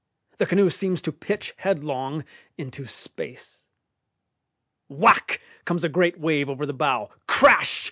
The canoe seems to pitch headlong into space. Whack! comes a great wave over the bow; crash!